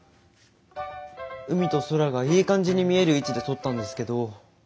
海と空がいい感じに見える位置で撮ったんですけど。